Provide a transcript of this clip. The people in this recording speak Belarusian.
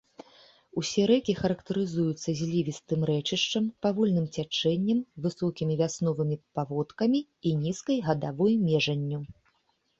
Усе рэкі характарызуюцца звілістым рэчышчам, павольным цячэннем, высокімі вясновымі паводкамі і нізкай гадавой межанню.